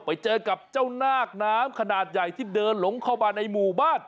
ไปเจอกับเจ้านาคน้ำขนาดใหญ่ที่เดินหลงเข้ามาในหมู่บ้าน